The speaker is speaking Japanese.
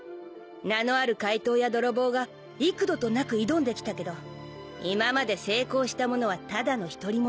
名のある怪盗や泥棒が幾度となく挑んできたけど今まで成功した者はただの一人もいない。